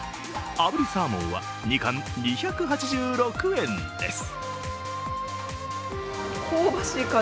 炙りサーモンは２貫２８６円です。